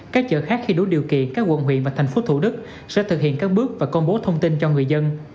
các chợ khác khi đủ điều kiện các quận huyện và thành phố thủ đức sẽ thực hiện các bước và công bố thông tin cho người dân